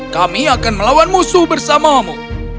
kami akan melawan musuh bersamamu